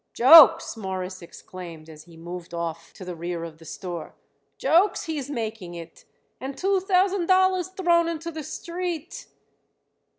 "Jokes!" Morris exclaimed as he moved off to the rear of the store. "Jokes he is making it, and two thousand dollars thrown into the street."